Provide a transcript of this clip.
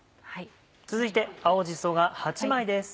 続いて青じそが８枚です。